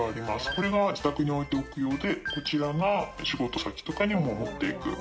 これが自宅に置いておく用で、こちらが仕事先とかにも持っていく。